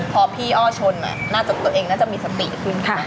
พอพี่อ้อชนน่ะน่าจะตัวเองน่าจะมีสติขึ้น